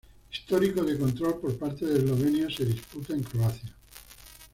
Histórico de control por parte de Eslovenia se disputa en Croacia.